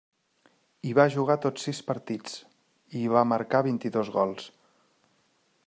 Hi va jugar tots sis partits, i hi va marcar vint-i-dos gols.